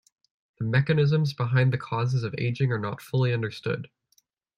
The mechanisms behind the causes of ageing are not fully understood.